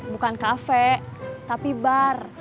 bukan kafe tapi bar